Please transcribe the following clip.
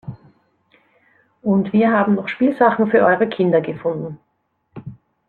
Und wir haben noch Spielsachen für eure Kinder gefunden.